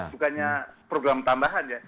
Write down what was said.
bukannya program tambahan ya